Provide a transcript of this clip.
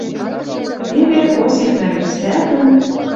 Теве Осип нӓлеш сӓпӹм